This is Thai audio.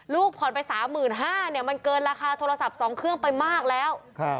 ลูกผ่อนไป๓๕๐๐บาทเนี่ยมันเกินราคาโทรศัพท์๒เครื่องไปมากแล้ว